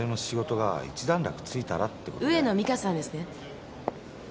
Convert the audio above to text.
・上野美香さんですね？